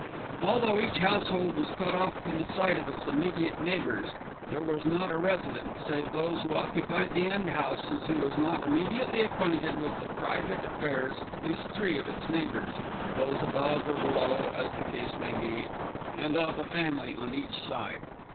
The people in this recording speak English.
Although each household was cut off from the sight of its immediate neighbours, there was not a resident, save those who occupied the end houses, who was not intimately acquainted with the private affairs of at least three of its neighbours, those above or below, as the case might be, and of the family on each side.